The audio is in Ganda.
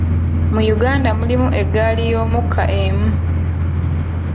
Mu Uganda mulimu eggaali y’omukka emu.